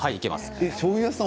しょうゆ屋さん